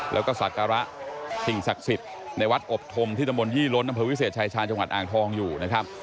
แล้วก็ศักระสิ่งศักดิ์สิทธิ์ในวัดอบธมที่ตะมนตยี่ล้นอำเภอวิเศษชายชาญจังหวัดอ่างทองอยู่นะครับ